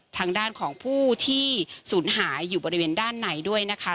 ทางด้านของผู้ที่สูญหายอยู่บริเวณด้านในด้วยนะคะ